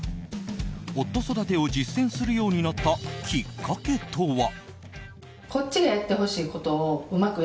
夫育てを実践するようになったきっかけとは。